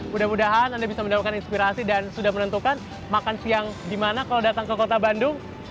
mudah mudahan anda bisa mendapatkan inspirasi dan sudah menentukan makan siang di mana kalau datang ke kota bandung